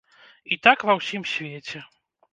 І так ва ўсім свеце.